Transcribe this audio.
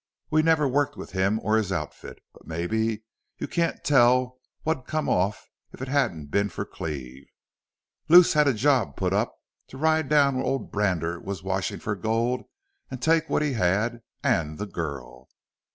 We never worked with him or his outfit, but mebbe you can't tell what'd come off if it hadn't been for Cleve. Luce had a job put up to ride down where ole Brander was washin' fer gold, take what he had AN' the girl.